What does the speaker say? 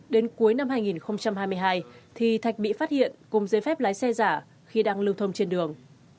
đến cuối năm hai nghìn hai mươi hai thì thạch bị phát hiện cùng giấy phép lái xe giả khi đang lưu thông trên đường